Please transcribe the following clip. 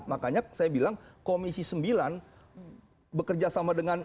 makanya saya bilang komisi sembilan bekerja sama dengan